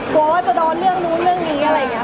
กลัวว่าจะโดนเรื่องนู้นเรื่องนี้อะไรอย่างนี้